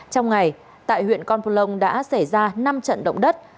trong ngày tại huyện con plong đã xảy ra năm trận động đất